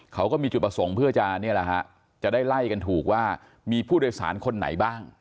เขาก็มีจุดประสงค์เพื่อจะนี่แหละฮะจะได้ไล่กันถูกว่ามีผู้โดยสารคนไหนบ้าง